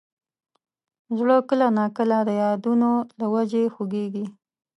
زړه کله نا کله د یادونو له وجې خوږېږي.